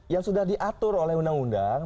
yang sudah diatur oleh undang undang